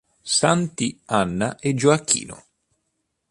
Santi Anna e Gioacchino